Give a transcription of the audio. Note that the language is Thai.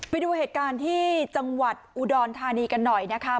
ไปดูเหตุการณ์ที่จังหวัดอุดรธานีกันหน่อยนะคะ